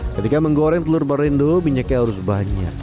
ketika menggoreng telur barindo minyaknya harus banyak